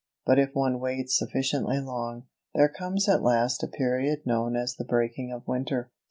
But if one waits sufficiently long, there comes at last a period known as the breaking of winter.